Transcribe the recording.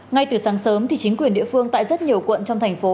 ngay từ sáng sớm thì chính quyền địa phương tại rất nhiều quận trong thành phố